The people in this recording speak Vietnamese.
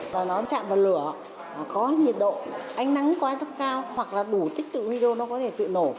và nó chạm vào lửa có nhiệt độ ánh nắng quá thấp cao hoặc là đủ tích tự hero nó có thể tự nổ